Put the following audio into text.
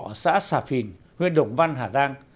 ở xã sà phìn huyện đồng văn hà giang